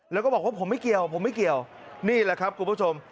แล้วก็บอกว่าผมไม่เกี่ยวผมไม่เกี่ยวนี่แหละครับคุณผู้ชม